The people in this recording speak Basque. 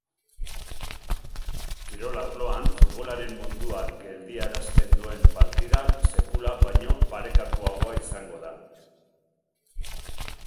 Kirol arloan futbolaren mundua geldiarazten duen partida sekula baino parekatuagoa izango da.